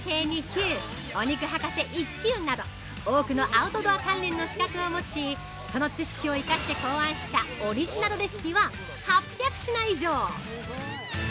２級お肉博士１級など多くのアウトドア関連の資格を持ちその知識を生かして考案したオリジナルレシピは８００品以上。